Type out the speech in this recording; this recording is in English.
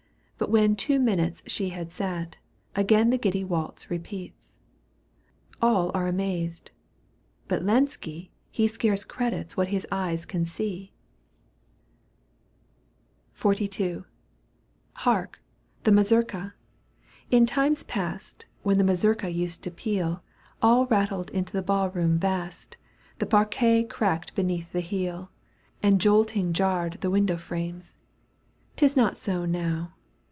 But when two minutes she had sat, Again the giddy waltz repeats. All are amazed ; but Lenski he Scarce credits what his eyes can see. Digitized by VjOOQ 1С 152 EUGENE ON^GUINR canto v. XLII. Hark ! the mazurka. In times past, When the mazurka used to peal, All ratfled in the ball room vast. The parquet cracked beneath the heel, And jolting jarred the window frames. 'Tis not so now.